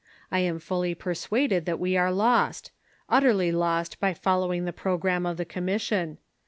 I am fully persuaded that we are lost ; utterly lost by following the programme of the commission.